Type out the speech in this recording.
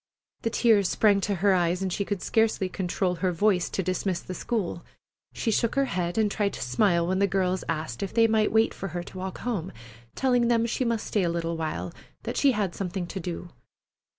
The tears sprang to her eyes, and she could scarcely control her voice to dismiss the school. She shook her head and tried to smile when the girls asked if they might wait for her to walk home, telling them she must stay a little while, that she had something to do.